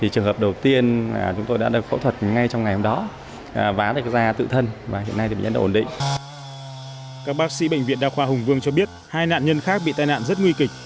các bác sĩ bệnh viện đa khoa hùng vương cho biết hai nạn nhân khác bị tai nạn rất nguy kịch